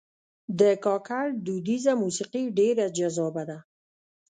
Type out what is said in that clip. د کاکړ دودیزه موسیقي ډېر جذابه ده.